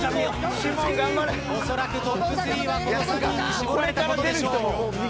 恐らくトップ３はこの３人に絞られたことでしょう。